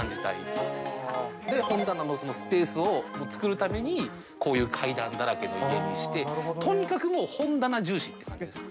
で本棚のスペースをつくるためにこういう階段だらけの家にしてとにかく本棚重視って感じです。